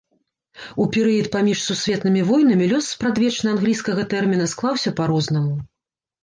У перыяд паміж сусветнымі войнамі лёс спрадвечна англійскага тэрміна склаўся па-рознаму.